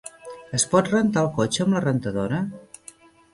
Es pot rentar el cotxe amb la rentadora?